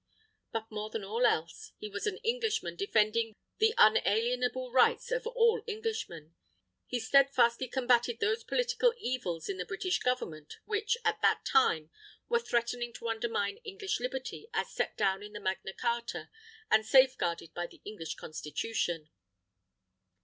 But more than all else, he was an Englishman defending the unalienable rights of all Englishmen. He steadfastly combated those political evils in the British Government, which, at that time, were threatening to undermine English Liberty as set down in the Magna Carta and safeguarded by the English Constitution.